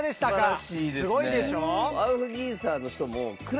すごいでしょ。